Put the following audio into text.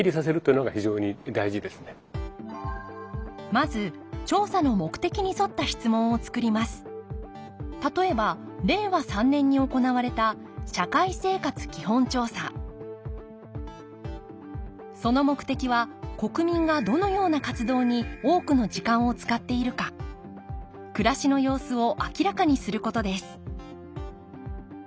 まず例えば令和３年に行われた社会生活基本調査その目的は国民がどのような活動に多くの時間を使っているか暮らしの様子を明らかにすることです